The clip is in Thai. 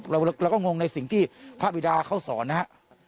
เราก็งงในสิ่งที่พระบิดาเขาสอนนะครับ